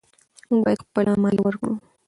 موږ باید خپله مالیه ورکړو.